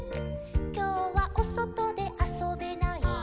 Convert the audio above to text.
「きょうはおそとであそべない」「」